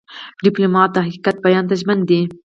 ډيپلومات د حقیقت بیان ته ژمن دی.